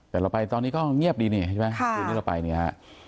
แต่เราไปตอนนี้ก็เงียบดีเนี่ยใช่ไหม